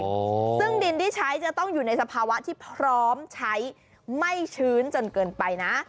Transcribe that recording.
โอ้โหซึ่งดินที่ใช้จะต้องอยู่ในสภาวะที่พร้อมใช้ไม่ชื้นจนเกินไปนะ